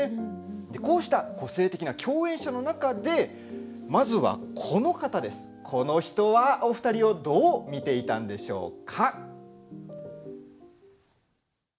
こうした個性的な共演者の中でこの人はお二人をどのように見ていたんでしょうか。